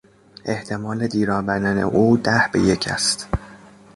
احتمال دیر آمدن او ده به یک است.